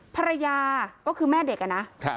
ภรรยาก็คือแม่เด็กอะนะ